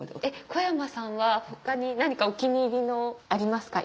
小山さんは他に何かお気に入りのありますか？